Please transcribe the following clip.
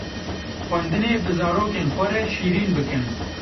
Xwendinê bi zarokên xwe re şîrîn bikin!